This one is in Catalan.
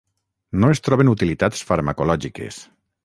No es troben utilitats farmacològiques.